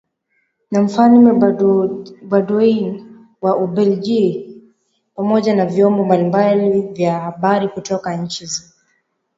na Mfalme Baudouin wa Ubelgiji pamoja na vyombo mbalimbali vya habari kutoka nchi za